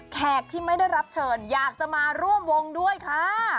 ที่ไม่ได้รับเชิญอยากจะมาร่วมวงด้วยค่ะ